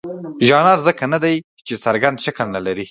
ژانر ځکه نه دی چې څرګند شکل نه لري.